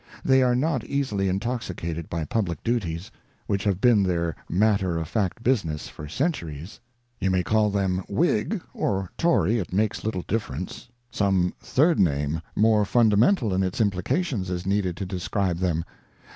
They are not easily intoxicated by public duties, which have been their matter of fact business for centuries. You may call them Whig or Tory, it makes little difference ; some third name, more fundamental in its implications, is needed to describe them.